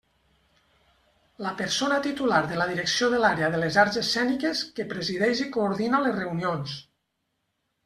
La persona titular de la Direcció de l'Àrea de les Arts Escèniques, que presideix i coordina les reunions.